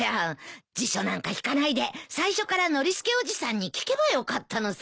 辞書なんか引かないで最初からノリスケおじさんに聞けばよかったのさ。